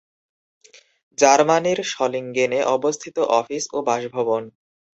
জার্মানির সলিঙ্গেনে অবস্থিত অফিস ও বাসভবন।